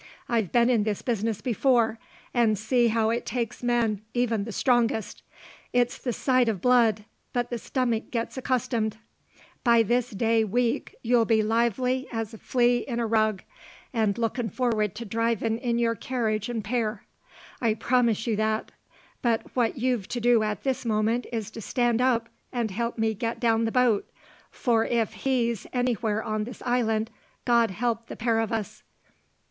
I've been in this business before, and seen how it takes men, even the strongest. It's the sight o' blood; but the stomach gets accustomed. ... By this day week you'll be lively as a flea in a rug, and lookin' forward to drivin' in your carriage an' pair. I promise you that; but what you've to do at this moment is to stand up, and help me get down the boat. For if he's anywhere on this island, God help the pair of us!"